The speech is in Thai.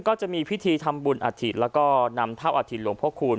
ก็จะมีพิธีทำบุญอาถิตแล้วก็นำเท่าอาถิตหลวงพระคูณ